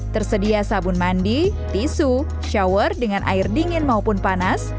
tersedia sabun mandi tisu shower dengan air dingin maupun panas